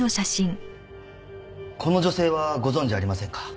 この女性はご存じありませんか？